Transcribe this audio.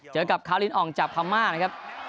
เจอกับคาลินอองจับคามานะครับ